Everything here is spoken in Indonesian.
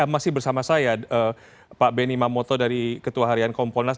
masih bersama saya pak benny mamoto dari ketua harian kompolnas